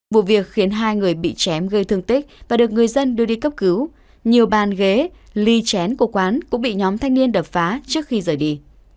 vụ việc khiến hai người bị chém gây thương tích và được người dân đưa đi cấp cứu nhiều bàn ghế ly chén của quán cũng bị nhóm thanh niên đập phá trước khi rời đi